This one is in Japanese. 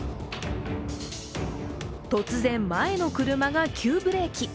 突然、前の車が急ブレーキ。